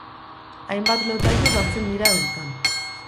Hainbat lotailu batzen dira bertan.